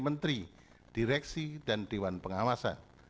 menteri direksi dan dewan pengawasan